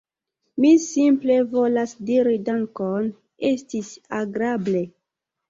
Mi simple volas diri dankon, estis agrable!